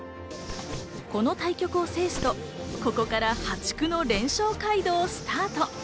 この対局を制すと、ここから破竹の連勝街道をスタート。